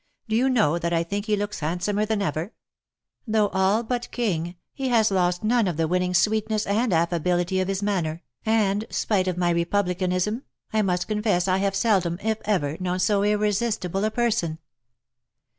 Do you know that I think he looks handsomer than ever? Though all but king, he has lost none of the winning sweetness and affability of his manner, and, spite of my republicanism, I must confess I have seldom, if ever, known so irresistible a person."